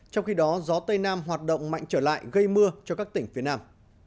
trong khi đó gió tây nam hoạt động mạnh trở lại gây mưa cho các tỉnh phía nam